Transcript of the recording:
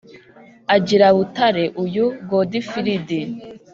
Agira Butare uyu Godifiridi,